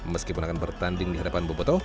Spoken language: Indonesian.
meskipun akan bertanding di hadapan boboto